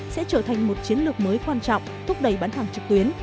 sẽ trở thành một chiến lược mới quan trọng thúc đẩy bán hàng trực tuyến